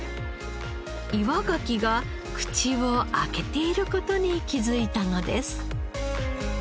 岩ガキが口を開けている事に気づいたのです。